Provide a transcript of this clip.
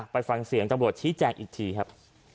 ไปฟังเสียงตำรวจชี้แจงอีกทีครับ